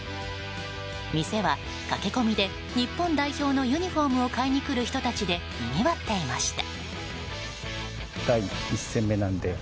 店は駆け込みで日本代表のユニホームを買いに来る人たちでにぎわっていました。